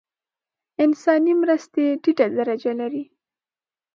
انساني مرستې ټیټه درجه لري.